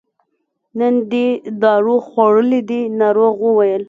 نن دې دارو خوړلي دي ناروغ وویل.